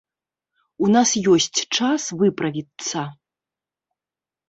У нас ёсць час выправіцца.